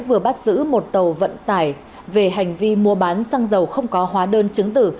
vừa bắt giữ một tàu vận tải về hành vi mua bán xăng dầu không có hóa đơn chứng tử